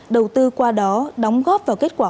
đầu tư qua đó đóng góp vào kết quả